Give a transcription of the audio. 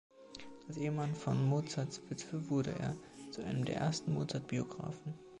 Als Ehemann von Mozarts Witwe wurde er zu einem der ersten Mozart-Biographen.